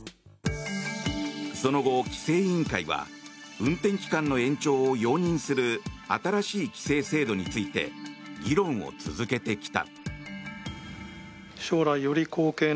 その後、規制委員会は運転期間の延長を容認する新しい規制制度について議論を続けてきた。